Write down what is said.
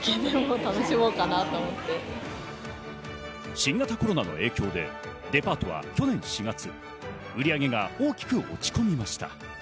新型コロナの影響でデパートは去年４月、売上が大きく落ち込みました。